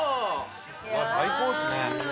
最高ですね。